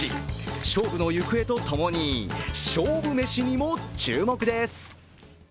勝負の行方と共に勝負めしにも注目です。